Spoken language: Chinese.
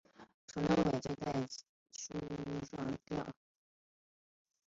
陈仲书畏罪在家中上吊。